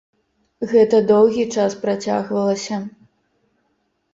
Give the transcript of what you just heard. Гэта доўгі час працягвалася.